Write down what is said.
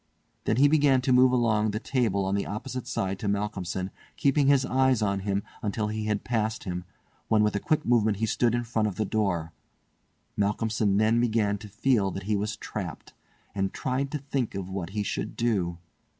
Then he began to move along the table on the opposite side to Malcolmson keeping his eyes on him until he had passed him, when with a quick movement he stood in front of the door. Malcolmson then began to feel that he was trapped, and tried to think of what he should do.